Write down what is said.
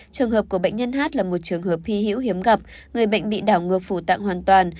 trường hợp của bệnh nhân hát là một trường hợp hy hiểu hiếm gặp người bệnh bị đào ngược phủ tạng hoàn toàn